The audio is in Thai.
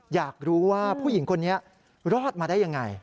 อยากรู้ว่าผู้หญิงคนนี้รอดมาได้ยังไง